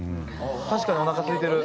確かにおなかすいてる。